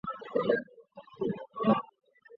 安治泰的宗座代牧职位由韩宁镐接任。